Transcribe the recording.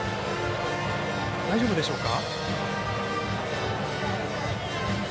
大丈夫でしょうか。